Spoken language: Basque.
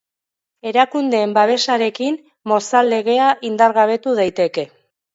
Erakundeen babesarekin Mozal Legea indargabetu daiteke.